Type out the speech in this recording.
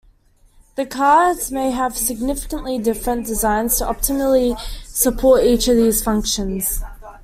The cards may have significantly different designs to optimally support each of these functions.